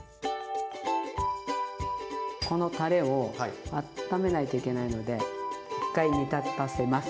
このたれをあっためないといけないので一回煮立たせます。